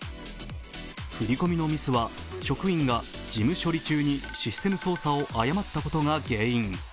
振り込みのミスは職員が事務処理中にシステム操作を誤ったことが原因。